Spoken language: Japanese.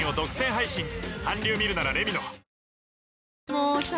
もうさ